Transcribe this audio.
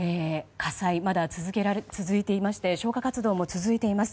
火災、まだ続いていまして消火活動も続いています。